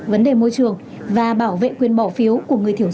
vấn đề môi trường và bảo vệ quyền bỏ phiếu của người thiểu